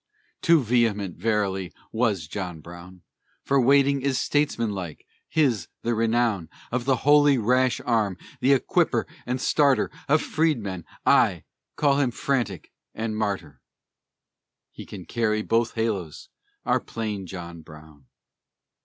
Too vehement, verily, was John Brown! For waiting is statesmanlike; his the renown Of the holy rash arm, the equipper and starter Of freedmen; aye, call him fanatic and martyr: He can carry both halos, our plain John Brown.